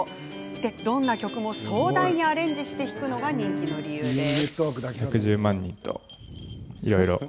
どんな曲も壮大にアレンジして弾くのが人気の理由です。